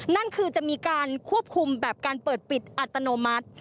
นั่นคือจะมีการควบคุมแบบการเปิดปิดอัตโนมัติ